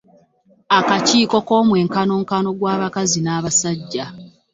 Akakiiko k’Omwenkanonkano gw’Abakazi n’Abasajja.